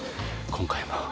今回も。